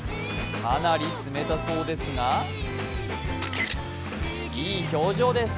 かなり冷たそうですが、いい表情です。